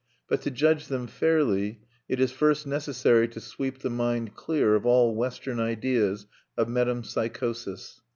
But to judge them fairly, it is first necessary to sweep the mind clear of all Western ideas of metempsychosis.